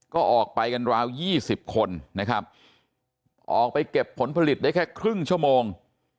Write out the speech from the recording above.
ก็ออกไปกันราว๒๐คนนะครับออกไปเก็บผลผลิตได้แค่ครึ่งชั่วโมง